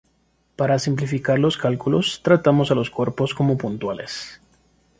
Para simplificar los cálculos, tratamos a los cuerpos como puntuales.